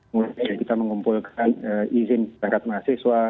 mulai dari kita mengumpulkan izin setakat mahasiswa